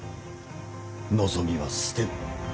望みは捨てぬ。